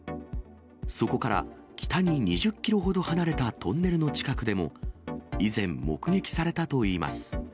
そこから北に２０キロほど離れたトンネルの近くでも、以前、目撃されたといいます。